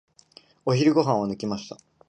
お昼ご飯は抜きました。